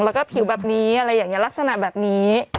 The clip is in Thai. แล้วก็ผิวแบบนี้รักษณะแบบนี้